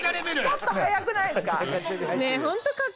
ちょっと早くないですか？